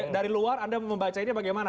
dari luar anda membaca ini bagaimana